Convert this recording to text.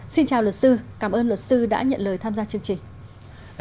xin chào luật sư cảm ơn luật sư đã nhận lời tham gia chương trình